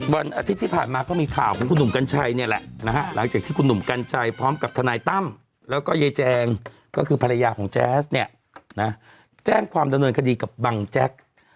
วันอาทิตย์ที่ผ่านมาก็มีข่าวของคุณหนุ่มกัญชัยเนี่ยแหละนะฮะหลังจากที่คุณหนุ่มกัญชัยพร้อมกับทนายตั้มแล้วก็ยายแจงก็คือภรรยาของแจ๊สเนี่ยนะแจ้งความดำเนินคดีกับบังแจ๊ก